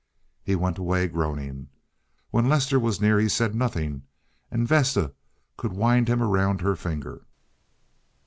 He went away groaning. When Lester was near he said nothing, and Vesta could wind him around her finger.